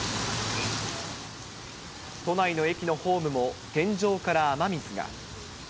都内の駅のホームも、天井から雨水が。